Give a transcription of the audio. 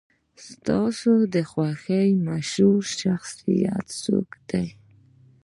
ستا د خوښې مشهور شخصیت څوک دی؟